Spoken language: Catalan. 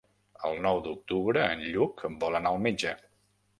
El nou d'octubre en Lluc vol anar al metge.